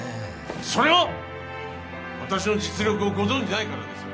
それは私の実力をご存じないからですよ。